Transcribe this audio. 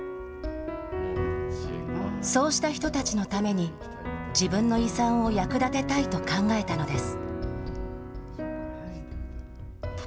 そうした人たちのために、自分の遺産を役立てたいと考えたのです。